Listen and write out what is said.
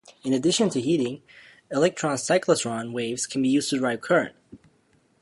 In addition to heating, electron cyclotron waves can be used to drive current.